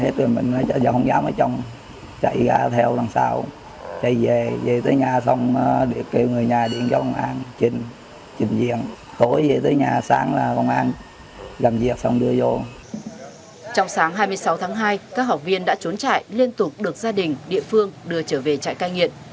trong sáng hai mươi sáu tháng hai các học viên đã trốn trại liên tục được gia đình địa phương đưa trở về trại cai nghiện